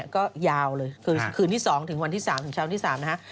ก็ยาวเลยคือคืนที่๒ถึงวันที่๓ถึงเช้าวันที่๓นะฮะ